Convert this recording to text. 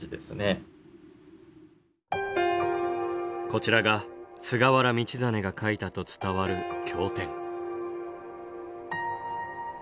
こちらが菅原道真が書いたと伝わる「経典」。